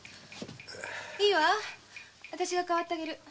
いいわあたしが代わってあげる。